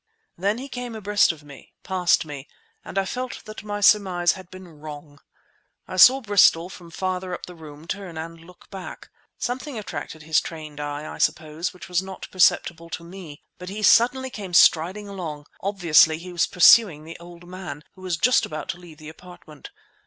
Then he came abreast of me, passed me, and I felt that my surmise had been wrong. I saw Bristol, from farther up the room, turn and look back. Something attracted his trained eye, I suppose, which was not perceptible to me. But he suddenly came striding along. Obviously he was pursuing the old man, who was just about to leave the apartment.